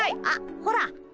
あっほら。